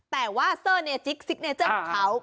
แต่ว่าเซอร์เนจิ๊กซิกเนเจอร์ของเขา